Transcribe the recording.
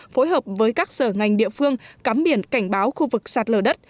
phối hợp với các sở ngành địa phương cắm biển cảnh báo khu vực sạt lở đất